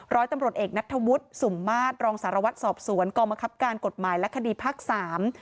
ร้อยตำรวจเอกนัทธวุฒิสุ่มมาตรรองสารวัตรสอบสวนกองบังคับการกฎหมายและคดีภาคสาม